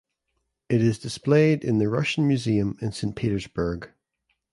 It is displayed in the Russian Museum in Saint Petersburg.